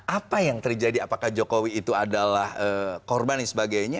apa yang terjadi apakah jokowi itu adalah korban dan sebagainya